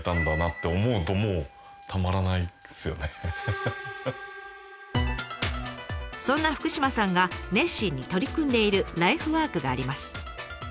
そんな福島さんが熱心に取り組んでいるライフワークがあります。